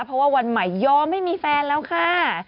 เพราะว่าวันใหม่ยอมไม่มีแฟนแล้วค่ะ